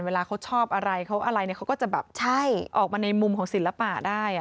เวลาเขาชอบอะไรเขาอะไรเขาก็จะแบบใช่ออกมาในมุมของศิลปะได้